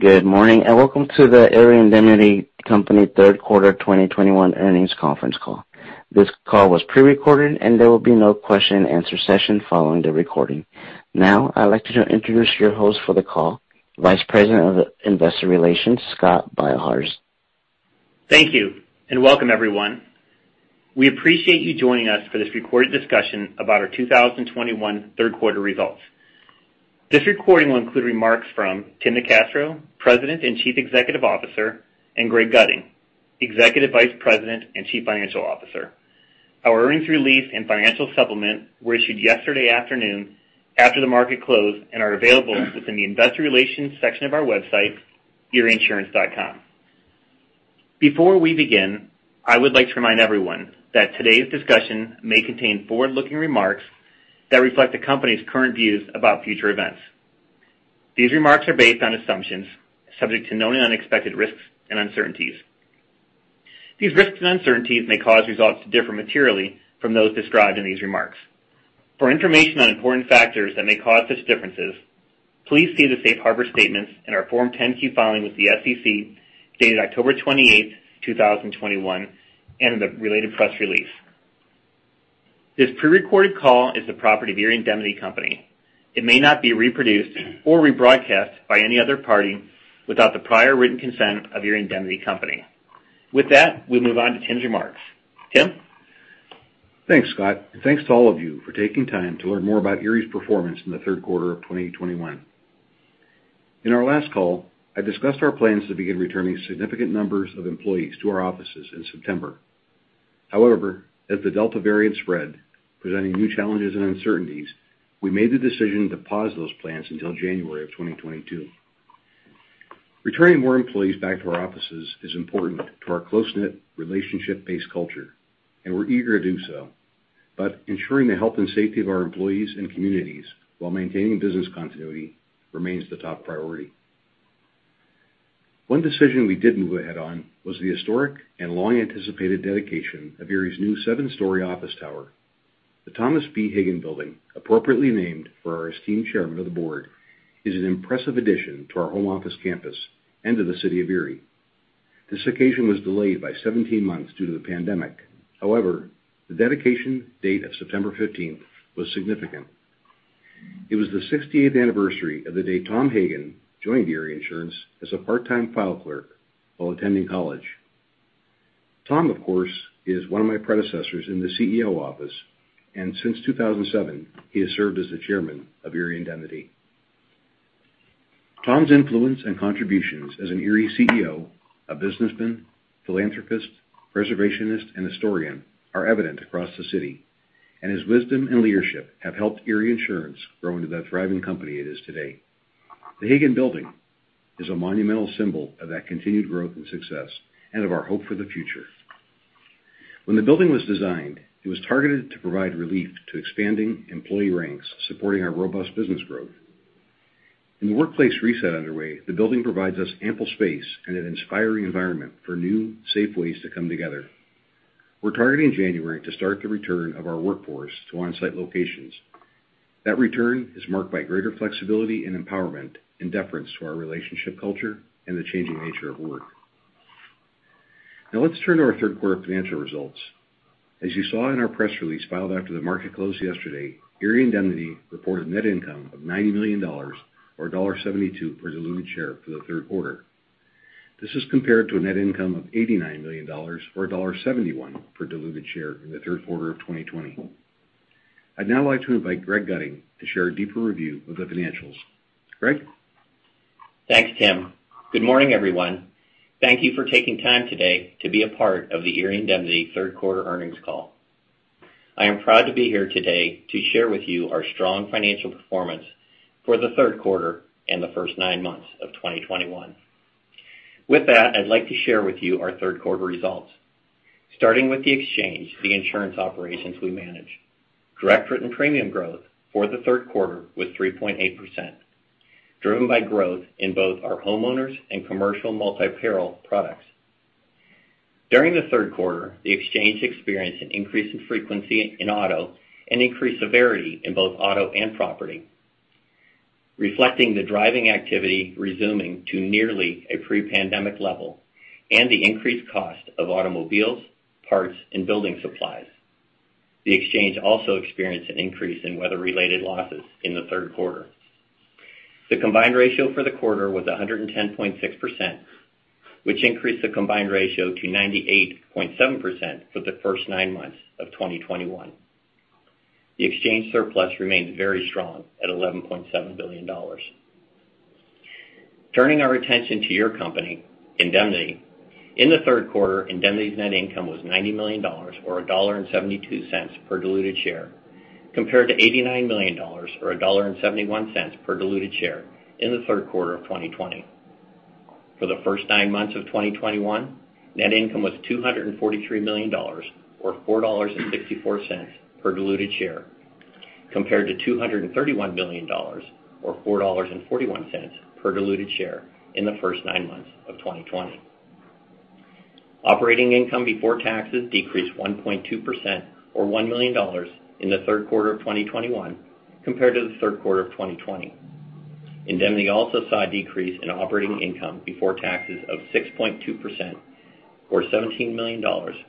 Good morning, and welcome to the Erie Indemnity Company Third Quarter 2021 Earnings Conference Call. This call was pre-recorded and there will be no question and answer session following the recording. Now, I'd like to introduce your host for the call, Vice President of Investor Relations, Scott Beilharz. Thank you and welcome everyone. We appreciate you joining us for this recorded discussion about our 2021 third quarter results. This recording will include remarks from Tim NeCastro, President and Chief Executive Officer, and Gregory Gutting, Executive Vice President and Chief Financial Officer. Our earnings release and financial supplement were issued yesterday afternoon after the market closed and are available within the Investor Relations section of our website, erieinsurance.com. Before we begin, I would like to remind everyone that today's discussion may contain forward-looking remarks that reflect the company's current views about future events. These remarks are based on assumptions subject to known and unexpected risks and uncertainties. These risks and uncertainties may cause results to differ materially from those described in these remarks. For information on important factors that may cause such differences, please see the Safe Harbor statements in our Form 10-Q filing with the SEC, dated October 28th, 2021, and the related press release. This pre-recorded call is the property of Erie Indemnity Company. It may not be reproduced or rebroadcast by any other party without the prior written consent of Erie Indemnity Company. With that, we move on to Tim's remarks. Tim? Thanks, Scott. Thanks to all of you for taking time to learn more about Erie's performance in the third quarter of 2021. In our last call, I discussed our plans to begin returning significant numbers of employees to our offices in September. However, as the Delta variant spread, presenting new challenges and uncertainties, we made the decision to pause those plans until January 2022. Returning more employees back to our offices is important to our close-knit, relationship-based culture, and we're eager to do so. Ensuring the health and safety of our employees and communities while maintaining business continuity remains the top priority. One decision we did move ahead on was the historic and long-anticipated dedication of Erie's new seven-story office tower. The Thomas B. Hagen Building, appropriately named for our esteemed Chairman of the Board, is an impressive addition to our home office campus and to the city of Erie. This occasion was delayed by 17 months due to the pandemic. However, the dedication date of September 15th was significant. It was the 60th anniversary of the day Tom Hagen joined Erie Insurance as a part-time file clerk while attending college. Tom, of course, is one of my predecessors in the CEO office, and since 2007, he has served as the Chairman of Erie Indemnity. Tom's influence and contributions as an Erie CEO, a businessman, philanthropist, preservationist, and historian are evident across the city, and his wisdom and leadership have helped Erie Insurance grow into the thriving company it is today. The Hagen Building is a monumental symbol of that continued growth and success, and of our hope for the future. When the building was designed, it was targeted to provide relief to expanding employee ranks supporting our robust business growth. In the workplace reset underway, the building provides us ample space and an inspiring environment for new, safe ways to come together. We're targeting January to start the return of our workforce to on-site locations. That return is marked by greater flexibility and empowerment in deference to our relationship culture and the changing nature of work. Now let's turn to our third quarter financial results. As you saw in our press release filed after the market closed yesterday, Erie Indemnity reported net income of $90 million or $1.72 per diluted share for the third quarter. This is compared to a net income of $89 million or $1.71 per diluted share in the third quarter of 2020. I'd now like to invite Greg Gutting to share a deeper review of the financials. Greg? Thanks, Tim. Good morning, everyone. Thank you for taking time today to be a part of the Erie Indemnity third quarter earnings call. I am proud to be here today to share with you our strong financial performance for the third quarter and the first nine months of 2021. With that, I'd like to share with you our third quarter results. Starting with the exchange, the insurance operations we manage. Direct written premium growth for the third quarter was 3.8%, driven by growth in both our homeowners and commercial multi-peril products. During the third quarter, the exchange experienced an increase in frequency in auto and increased severity in both auto and property, reflecting the driving activity resuming to nearly a pre-pandemic level and the increased cost of automobiles, parts, and building supplies. The exchange also experienced an increase in weather-related losses in the third quarter. The combined ratio for the quarter was 110.6%, which increased the combined ratio to 98.7% for the first nine months of 2021. The exchange surplus remains very strong at $11.7 billion. Turning our attention to your company, Indemnity. In the third quarter, Indemnity's net income was $90 million or $1.72 per diluted share, compared to $89 million or $1.71 per diluted share in the third quarter of 2020. For the first nine months of 2021, net income was $243 million or $4.64 per diluted share, compared to $231 million or $4.41 per diluted share in the first nine months of 2020. Operating income before taxes decreased 1.2% or $1 million in the third quarter of 2021 compared to the third quarter of 2020. Indemnity also saw a decrease in operating income before taxes of 6.2% or $17 million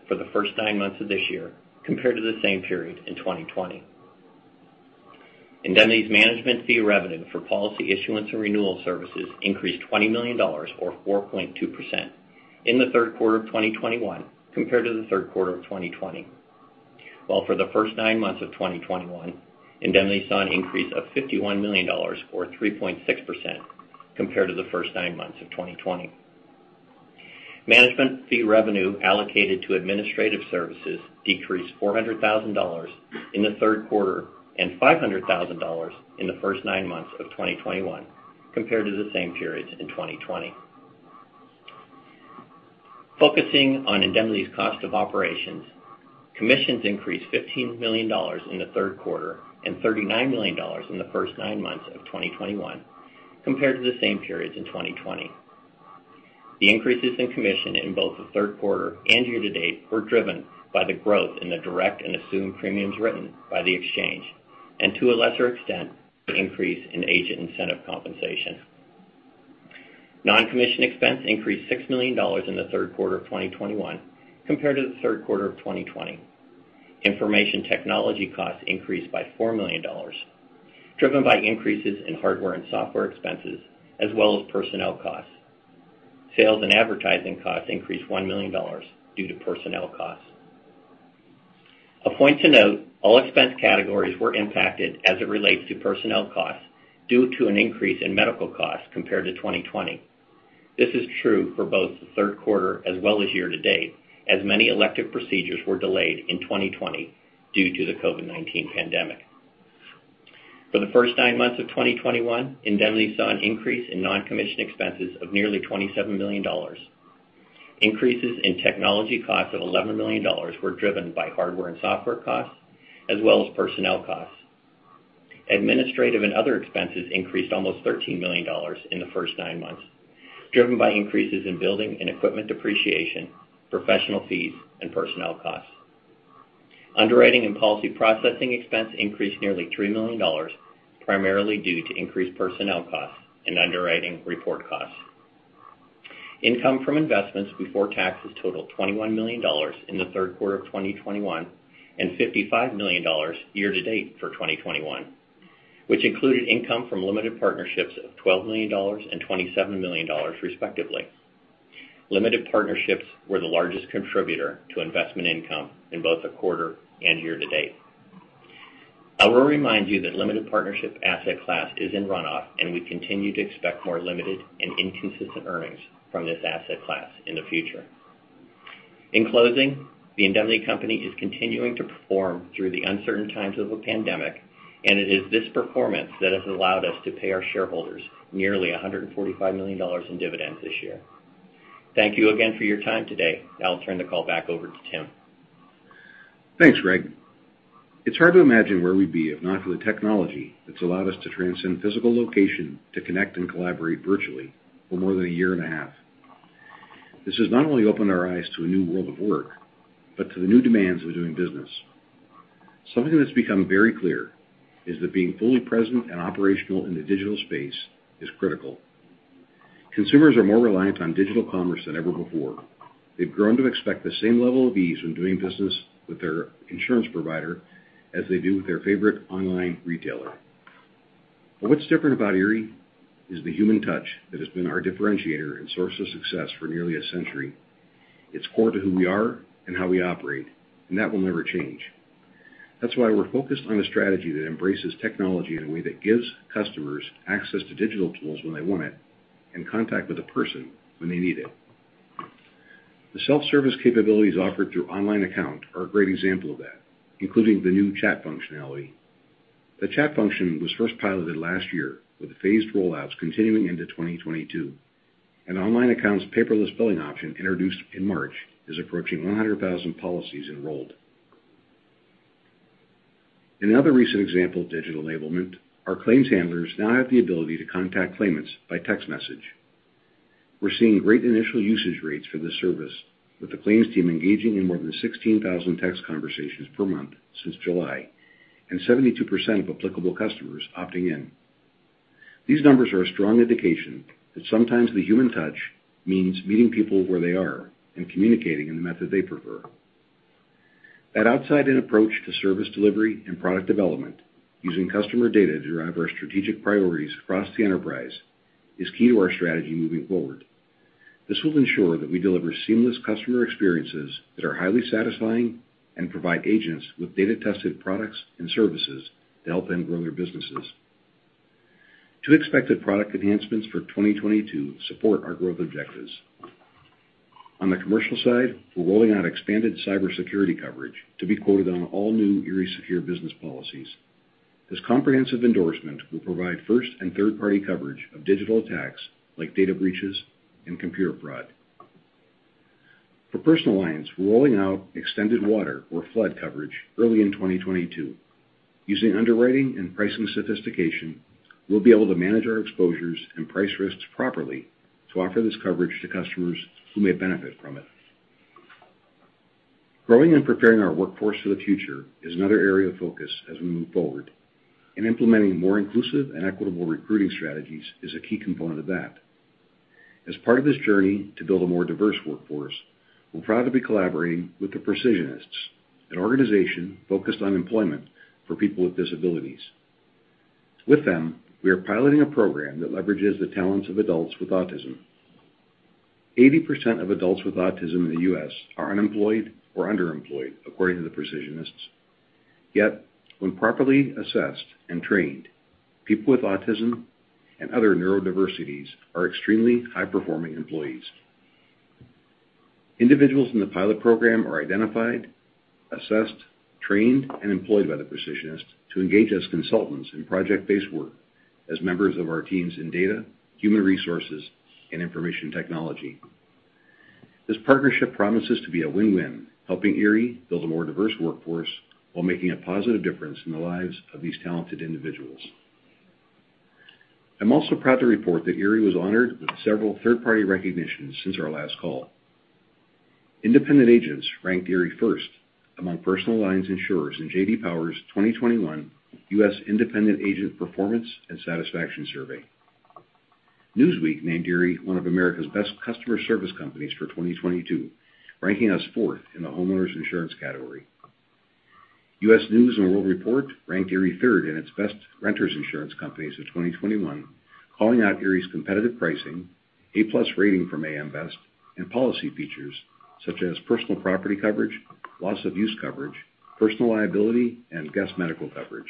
for the first nine months of this year compared to the same period in 2020. Indemnity's management fee revenue for policy issuance and renewal services increased $20 million or 4.2% in the third quarter of 2021 compared to the third quarter of 2020. While for the first nine months of 2021, Indemnity saw an increase of $51 million or 3.6% compared to the first nine months of 2020. Management fee revenue allocated to administrative services decreased $400,000 in the third quarter and $500,000 in the first nine months of 2021 compared to the same periods in 2020. Focusing on Indemnity's cost of operations, commissions increased $15 million in the third quarter and $39 million in the first nine months of 2021 compared to the same periods in 2020. The increases in commission in both the third quarter and year to date were driven by the growth in the direct and assumed premiums written by the exchange, and to a lesser extent, the increase in agent incentive compensation. Non-commission expense increased $6 million in the third quarter of 2021 compared to the third quarter of 2020. Information technology costs increased by $4 million, driven by increases in hardware and software expenses as well as personnel costs. Sales and advertising costs increased $1 million due to personnel costs. A point to note, all expense categories were impacted as it relates to personnel costs due to an increase in medical costs compared to 2020. This is true for both the third quarter as well as year to date, as many elective procedures were delayed in 2020 due to the COVID-19 pandemic. For the first nine months of 2021, Indemnity saw an increase in non-commission expenses of nearly $27 million. Increases in technology costs of $11 million were driven by hardware and software costs, as well as personnel costs. Administrative and other expenses increased almost $13 million in the first nine months, driven by increases in building and equipment depreciation, professional fees, and personnel costs. Underwriting and policy processing expense increased nearly $3 million, primarily due to increased personnel costs and underwriting report costs. Income from investments before taxes totaled $21 million in the third quarter of 2021 and $55 million year to date for 2021, which included income from limited partnerships of $12 million and $27 million respectively. Limited partnerships were the largest contributor to investment income in both the quarter and year to date. I will remind you that limited partnership asset class is in runoff, and we continue to expect more limited and inconsistent earnings from this asset class in the future. In closing, Erie Indemnity Company is continuing to perform through the uncertain times of a pandemic, and it is this performance that has allowed us to pay our shareholders nearly $145 million in dividends this year. Thank you again for your time today. Now I'll turn the call back over to Tim. Thanks, Greg. It's hard to imagine where we'd be if not for the technology that's allowed us to transcend physical location to connect and collaborate virtually for more than a year and a half. This has not only opened our eyes to a new world of work, but to the new demands of doing business. Something that's become very clear is that being fully present and operational in the digital space is critical. Consumers are more reliant on digital commerce than ever before. They've grown to expect the same level of ease when doing business with their insurance provider as they do with their favorite online retailer. What's different about Erie is the human touch that has been our differentiator and source of success for nearly a century. It's core to who we are and how we operate, and that will never change. That's why we're focused on a strategy that embraces technology in a way that gives customers access to digital tools when they want it and contact with a person when they need it. The self-service capabilities offered through online account are a great example of that, including the new chat functionality. The chat function was first piloted last year with phased rollouts continuing into 2022, and online accounts paperless billing option introduced in March is approaching 100,000 policies enrolled. Another recent example of digital enablement, our claims handlers now have the ability to contact claimants by text message. We're seeing great initial usage rates for this service, with the claims team engaging in more than 16,000 text conversations per month since July and 72% of applicable customers opting in. These numbers are a strong indication that sometimes the human touch means meeting people where they are and communicating in the method they prefer. That outside-in approach to service delivery and product development using customer data to drive our strategic priorities across the enterprise is key to our strategy moving forward. This will ensure that we deliver seamless customer experiences that are highly satisfying and provide agents with data-tested products and services to help them grow their businesses. Two expected product enhancements for 2022 support our growth objectives. On the commercial side, we're rolling out expanded cybersecurity coverage to be quoted on all new ErieSecure Business policies. This comprehensive endorsement will provide first and third-party coverage of digital attacks like data breaches and computer fraud. For personal lines, we're rolling out extended water or flood coverage early in 2022. Using underwriting and pricing sophistication, we'll be able to manage our exposures and price risks properly to offer this coverage to customers who may benefit from it. Growing and preparing our workforce for the future is another area of focus as we move forward, and implementing more inclusive and equitable recruiting strategies is a key component of that. As part of this journey to build a more diverse workforce, we're proud to be collaborating with The Precisionists, an organization focused on employment for people with disabilities. With them, we are piloting a program that leverages the talents of adults with autism. 80% of adults with autism in the U.S. are unemployed or underemployed, according to The Precisionists. Yet when properly assessed and trained, people with autism and other neurodiversities are extremely high-performing employees. Individuals in the pilot program are identified, assessed, trained, and employed by The Precisionists to engage as consultants in project-based work as members of our teams in data, human resources, and information technology. This partnership promises to be a win-win, helping Erie build a more diverse workforce while making a positive difference in the lives of these talented individuals. I'm also proud to report that Erie was honored with several third-party recognitions since our last call. Independent agents ranked Erie first among personal lines insurers in J.D. Power's 2021 U.S. Independent Agent Performance and Satisfaction Study. Newsweek named Erie one of America's best customer service companies for 2022, ranking us fourth in the homeowners insurance category. U.S. News & World Report ranked Erie third in its best renters insurance companies of 2021, calling out Erie's competitive pricing, A+ rating from AM Best, and policy features such as personal property coverage, loss of use coverage, personal liability, and guest medical coverage.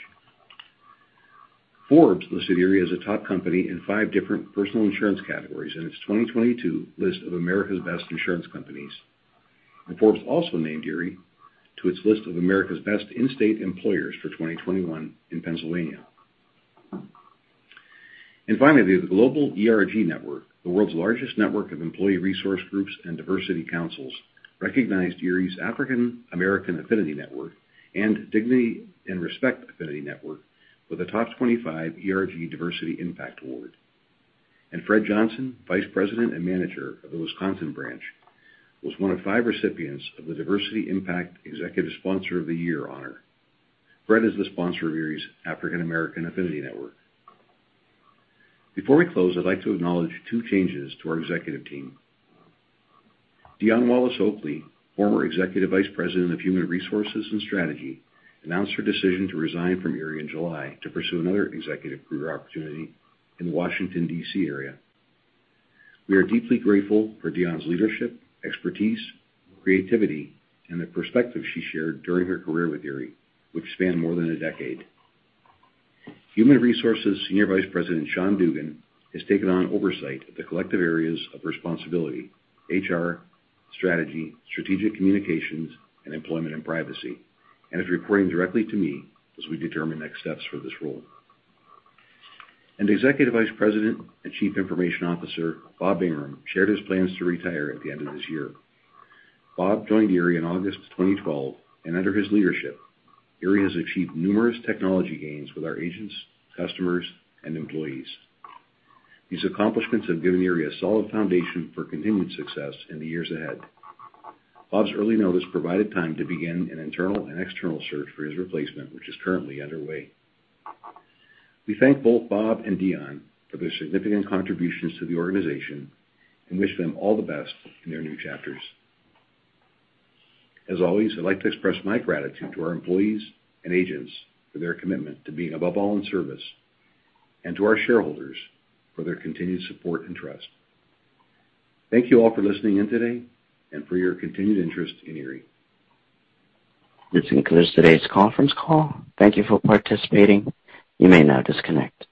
Forbes listed Erie as a top company in five different personal insurance categories in its 2022 list of America's best insurance companies. Forbes also named Erie to its list of America's best in-state employers for 2021 in Pennsylvania. The Global ERG Network, the world's largest network of employee resource groups and diversity councils, recognized Erie's African American Affinity Network and Dignity & Respect Affinity Network with the top 25 ERG Diversity Impact Award. Fred Johnson, Vice President and Wisconsin Branch Manager, was one of five recipients of the Diversity Impact Executive Sponsor of the Year honor. Fred is the sponsor of Erie's African American Affinity Network. Before we close, I'd like to acknowledge two changes to our executive team. Dionne Wallace-Oakley, former Executive Vice President of Human Resources and Strategy, announced her decision to resign from Erie in July to pursue another executive career opportunity in the Washington, D.C., area. We are deeply grateful for Dionne's leadership, expertise, creativity, and the perspective she shared during her career with Erie, which spanned more than a decade. Human Resources Senior Vice President Sean Dugan has taken on oversight of the collective areas of responsibility, HR, strategy, strategic communications, and employment and privacy, and is reporting directly to me as we determine next steps for this role. Executive Vice President and Chief Information Officer Bob Ingram shared his plans to retire at the end of this year. Bob joined Erie in August 2012, and under his leadership, Erie has achieved numerous technology gains with our agents, customers, and employees. These accomplishments have given Erie a solid foundation for continued success in the years ahead. Bob's early notice provided time to begin an internal and external search for his replacement, which is currently underway. We thank both Bob and Dionne for their significant contributions to the organization and wish them all the best in their new chapters. As always, I'd like to express my gratitude to our employees and agents for their commitment to being above all in service and to our shareholders for their continued support and trust. Thank you all for listening in today and for your continued interest in Erie. This concludes today's conference call. Thank you for participating. You may now disconnect.